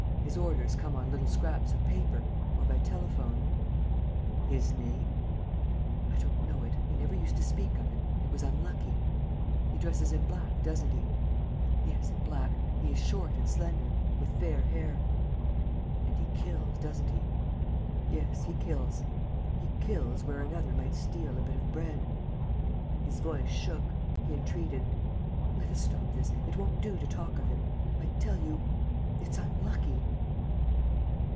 His orders come on little scraps of paper ... or by telephone." "His name?" "I don't know it. We never used to speak of him. It was unlucky." "He dresses in black, doesn't he?" "Yes, in black. He is short and slender ... with fair hair. ..." "And he kills, doesn't he?" "Yes, he kills ... he kills where another might steal a bit of bread." His voice shook. He entreated: "Let us stop this ... it won't do to talk of him. ... I tell you ... it's unlucky."